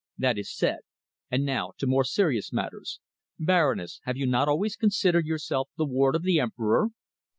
That is said. And now to more serious matters. Baroness, have you not always considered yourself the ward of the Emperor?"